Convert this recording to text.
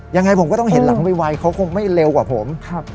ยังไงผมก็ต้องเห็นหลังไวเขาคงไม่เร็วกว่าผม